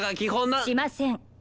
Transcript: しません。